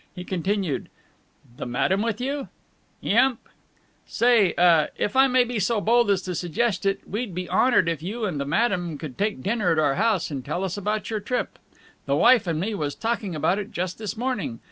He continued, "The madam with you?" "Yump." "Say uh if I may be so bold and just suggest it, we'd be honored if you and the madam could take dinner at our house and tell us about your trip. The wife and me was talking about it just this morning.